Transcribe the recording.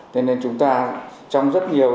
nên chúng ta trong rất nhiều